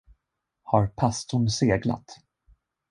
Har pastorn seglat?